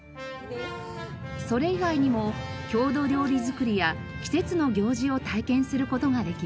それ以外にも郷土料理作りや季節の行事を体験する事ができます。